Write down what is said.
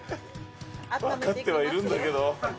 分かってはいるんだけど。